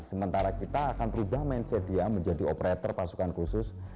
sementara kita akan berubah mindset dia menjadi operator pasukan khusus